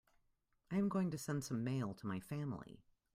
I am going to send some mail to my family.